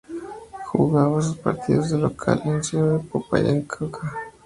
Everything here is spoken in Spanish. Jugaba sus partidos de local en la ciudad de Popayán, Cauca.